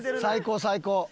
最高最高。